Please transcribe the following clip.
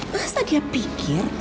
masa dia pikir